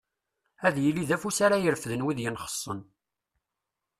Ad yili d afus ara irefden wid yenxessen.